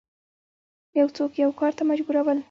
یو څوک یو کار ته مجبورول